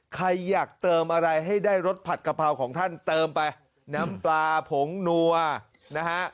ใครอยากเติมอะไรให้ได้รสผัดกะเพราของท่านเติมไปน้ำปลาผงนัวนะฮะ